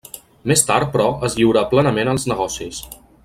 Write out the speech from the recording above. Més tard, però, es lliurà plenament als negocis.